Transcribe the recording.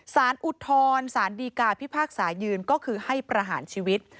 อุทธรสารดีกาพิพากษายืนก็คือให้ประหารชีวิต